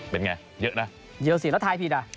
เป็นไงเยอะนะเยอะสิแล้วทายผิดอ่ะ